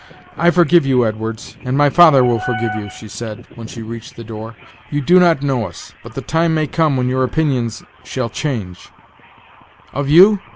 "I forgive you, Edwards, and my father will forgive you," she said, when she reached the door. "You do not know us, but the time may come when your opinions shall change " "Of you!